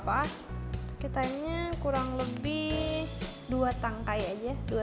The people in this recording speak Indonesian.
pakai thyme nya kurang lebih dua tangkai aja